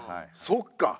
そっか！